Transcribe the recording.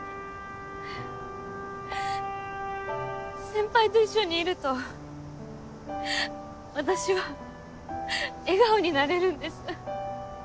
先輩と一緒にいると私は笑顔になれるんです。